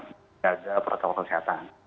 menjaga protokol kesehatan